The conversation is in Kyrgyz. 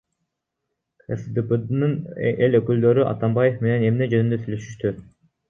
КСДПнын эл өкүлдөрү Атамбаев менен эмне жөнүндө сүйлөшүштү?